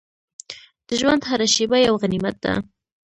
د ژوند هره شېبه یو غنیمت ده.